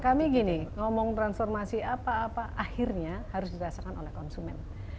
kami gini ngomong transformasi apa apa akhirnya harus dirasakan oleh konsumen